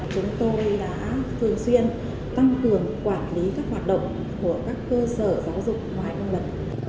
chúng tôi đã thường xuyên tăng cường quản lý các hoạt động của các cơ sở giáo dục ngoài công lập